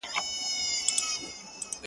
آذان پردی، چړي پردی وي خپل مُلا نه لري٫